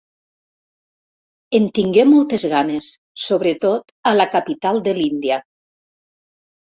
En tingué moltes ganes, sobretot a la capital de l'Índia.